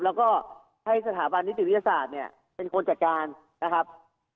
แล้วก็ให้สถาบันนิติวิทยาศาสตร์เนี่ยเป็นคนจัดการนะครับ